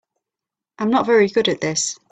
I'm not very good at this.